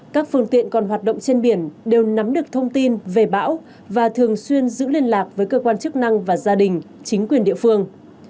các phương tiện còn hoạt động trên biển đều nắm được thông tin về bão và thường xuyên giữ liên lạc với cơ quan chức năng và gia đình chính quyền địa phương